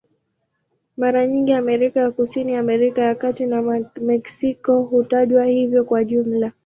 Mara nyingi Amerika ya Kusini, Amerika ya Kati na Meksiko hutajwa hivyo kwa jumla.